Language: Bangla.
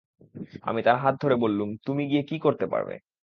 আমি তাঁর হাত ধরে বললুম, তুমি গিয়ে কী করতে পারবে?